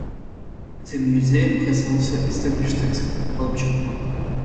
The museum has also established a sculpture park.